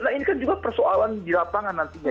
nah ini kan juga persoalan di lapangan nantinya